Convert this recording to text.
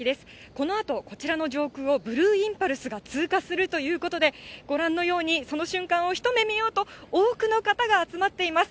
このあと、こちらの上空をブルーインパルスが通過するということで、ご覧のように、その瞬間を一目見ようと、多くの方が集まっています。